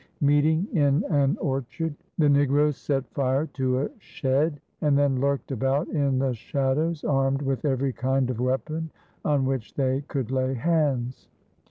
Meeting in an orchard the negroes set fire to a shed and then lurked about in the shadows, armed with every kind of weapon on which they could lay hands.